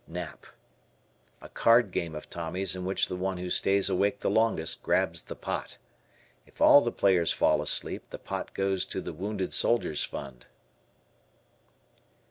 N Nap. A card game of Tommy's in which the one who stays awake the longest grabs the pot. If all the players fall asleep, the pot goes to the "Wounded Soldiers' Fund."